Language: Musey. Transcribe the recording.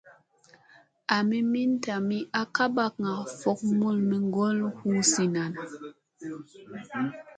Ami iimi kaami bakŋga vok mulmi ŋgolla hu zinna.